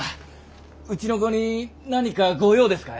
うちの子に何か御用ですかい？